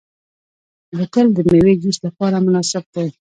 بوتل د میوې جوس لپاره مناسب دی.